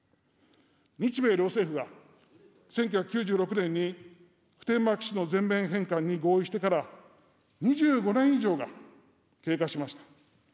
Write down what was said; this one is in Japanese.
日米両政府が、１９９６年に普天間基地の全面返還に合意してから２５年以上が経過しました。